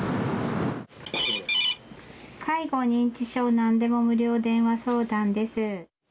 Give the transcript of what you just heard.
介護・認知症なんでも無料電話相談です。